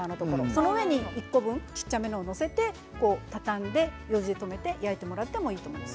その上に１個分小さいの載せて畳んで封じ込めて焼いてもらってもいいです。